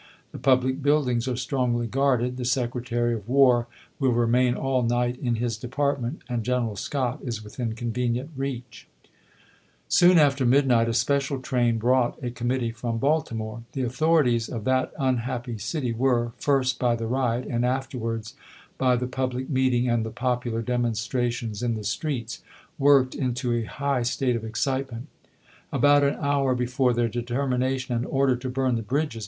The public buildings are strongly guarded ; the Secretary of War will remain all night in his Department, and General Scott is within convenient reach. Chap. VL J. G. N., Personal Memoran da. MS. Soon after midnight a special train brought a committee from Baltimore. The authorities of ♦ that unhappy city were, first by the riot, and afterwards by the public meeting and the popular demonstrations in the streets, worked into a high state of excitement. About an horn before their determination and order to burn the bridges.